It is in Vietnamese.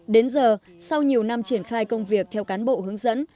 đến giờ sau nhiều năm triển khai công việc theo cán bộ hướng dẫn